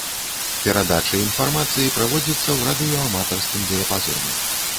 Перадача інфармацыі праводзіцца ў радыёаматарскім дыяпазоне.